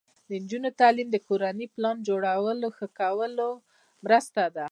د نجونو تعلیم د کورنۍ پلان جوړونې ښه کولو مرسته ده.